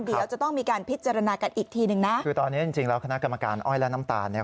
เดี๋ยวจะต้องมีการพิจารณากันอีกทีหนึ่งนะคือตอนนี้จริงจริงแล้วคณะกรรมการอ้อยและน้ำตาลเนี่ย